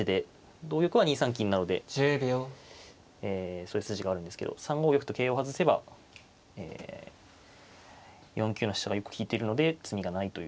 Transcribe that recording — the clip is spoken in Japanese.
そういう筋があるんですけど３五玉と桂を外せばええ４九の飛車がよく利いているので詰みがないという。